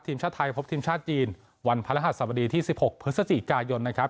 ทีมชาติไทยพบทีมชาติจีนวันพระรหัสสบดีที่๑๖พฤศจิกายนนะครับ